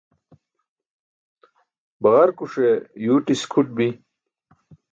Baġarkuṣe yuuṭis kʰuṭ bi.